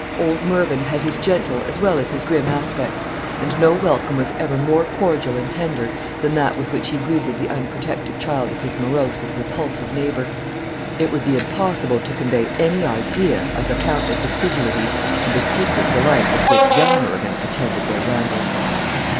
Old Mervyn had his gentle as well as his grim aspect; and no welcome was ever more cordial and tender than that with which he greeted the unprotected child of his morose and repulsive neighbor. It would be impossible to convey any idea of the countless assiduities and the secret delight with which young Mervyn attended their rambles.